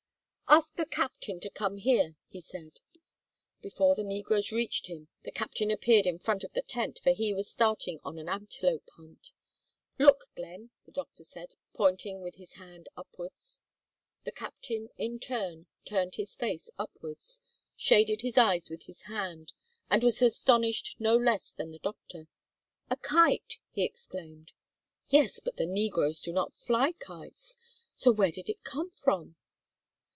"Ask the captain to come here," he said. Before the negroes reached him the captain appeared in front of the tent, for he was starting on an antelope hunt. "Look, Glenn," the doctor said, pointing with his hand upwards. The captain, in turn, turned his face upwards, shaded his eyes with his hand, and was astonished no less than the doctor. "A kite," he exclaimed. "Yes, but the negroes do not fly kites. So where did it come from?"